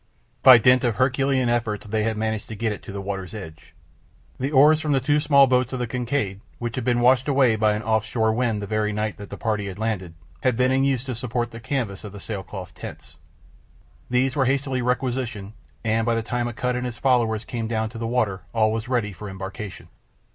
By dint of Herculean efforts they had managed to get it to the water's edge. The oars from the two small boats of the Kincaid, which had been washed away by an off shore wind the very night that the party had landed, had been in use to support the canvas of the sailcloth tents. These were hastily requisitioned, and by the time Akut and his followers came down to the water all was ready for embarkation.